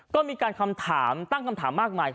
ก็มีการคำถามตั้งคำถามมากมาย